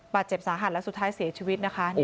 บาดเจ็บสาหัสแล้วสุดท้ายเสียชีวิตนะคะ